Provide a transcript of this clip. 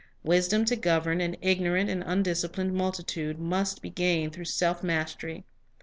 Wisdom to govern an ignorant and undisciplined multitude must be gained through self mastery.